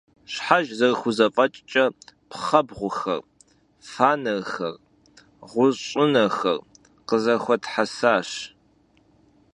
Şhejj zerıxuzef'eç'ç'e pxhebğuxer, fanêrxer, ğuş' 'unexer khızexuethesaş.